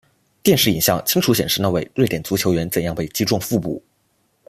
电视影像清楚显示那位瑞典足球员怎样被击中腹部。